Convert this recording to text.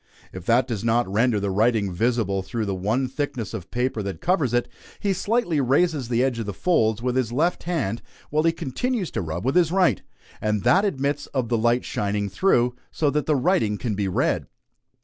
If that does not render the writing visible through the one thickness of paper that covers it, he slightly raises the edge of the folds with his left hand while he continues to rub with his right; and that admits of the light shining through, so that the writing can be read.